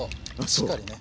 しっかりね。